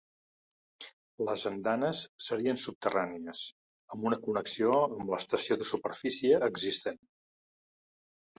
Les andanes serien subterrànies, amb una connexió amb l'estació de superfície existent.